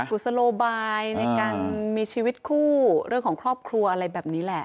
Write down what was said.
กุศโลบายในการมีชีวิตคู่เรื่องของครอบครัวอะไรแบบนี้แหละ